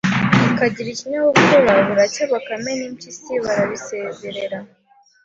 ikagira ikinyabupfura Buracya Bakame n' impyisi barabisezerera